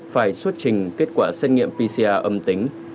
phải xuất trình kết quả xét nghiệm pcr âm tính